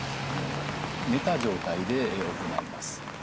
寝た状態で行います。